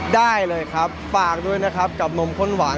ได้เลยครับฝากด้วยนะครับกับนมข้นหวาน